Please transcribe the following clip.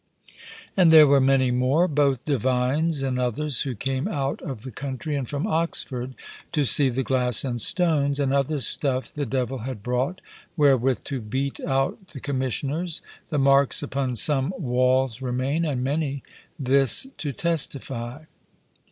And there were many more, both divines and others, who came out of the country, and from Oxford, to see the glass and stones, and other stuffe, the devil had brought, wherewith to beat out the Commissioners; the marks upon some walls remain, and many, this to testifie.